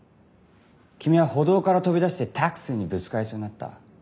君は歩道から飛び出してＴａｘｉにぶつかりそうになった。